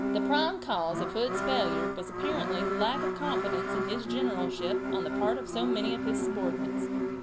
The prime cause of Hood's failure was apparently the lack of confidence in his generalship on the part of so many of his subordinates.